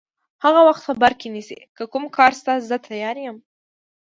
هغه وخت په بر کې نیسي، که کوم کار شته زه تیار یم.